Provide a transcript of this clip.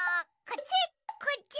こっち！